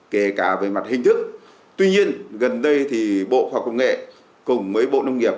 kể cả về mặt hình thức tuy nhiên gần đây thì bộ khoa học công nghệ cùng với bộ nông nghiệp